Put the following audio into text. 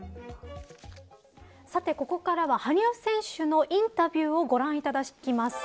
さて、ここからは羽生選手のインタビューをご覧いただきます。